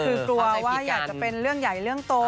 ความเข้าใจผิดกันคือกลัวว่าอยากจะเป็นเรื่องใหญ่เรื่องโต